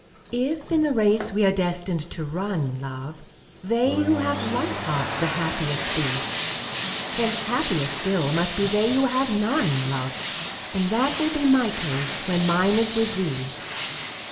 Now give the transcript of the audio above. If in the race we are destined to run, love, They who have light hearts the happiest be, Then happier still must be they who have none, love. And that will be my case when mine is with thee.